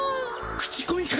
口コミかよ！